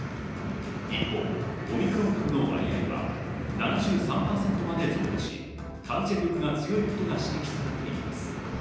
一方、オミクロン株の割合は７３％まで増加し、感染力が強いことが指摘されています。